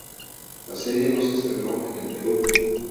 La serie no se estrenó en el Perú.